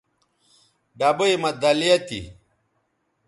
ڈبئ مہ دَلیہ تھی